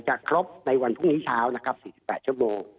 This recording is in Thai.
จะครบในวันพรุ่งนี้เช้า๔๘ชั่วโมง